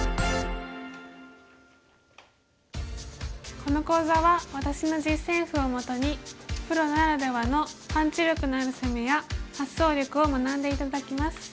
この講座は私の実戦譜をもとにプロならではのパンチ力のある攻めや発想力を学んで頂きます。